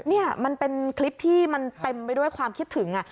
นี่มันเป็นคลิปที่มันเต็มไปด้วยความคิดถึง